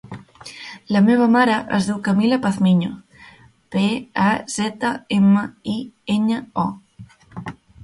La meva mare es diu Camila Pazmiño: pe, a, zeta, ema, i, enya, o.